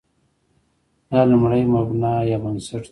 دا لومړی مبنا یا بنسټ دی.